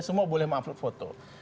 semua boleh upload foto